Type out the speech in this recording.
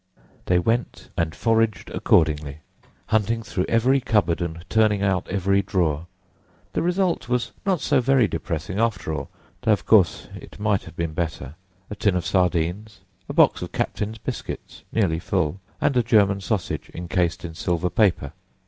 They went and foraged accordingly, hunting through every cupboard and turning out every drawer. The result was not so very depressing after all, though of course it might have been better; a tin of sardines—a box of captain's biscuits, nearly full—and a German sausage encased in silver paper.